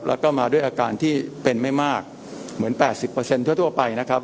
แล้วก็มาด้วยอาการที่เป็นไม่มากเหมือน๘๐ทั่วไปนะครับ